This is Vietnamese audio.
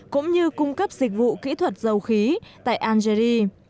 cũng như cung cấp dịch vụ kỹ thuật dầu khí tại algeria